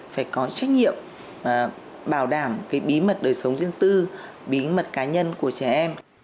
phải có trách nhiệm